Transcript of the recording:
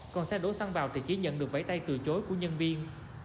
còn xe đổ xăng vào thì chỉ nhận được vẩy tay từ chối của nhân viên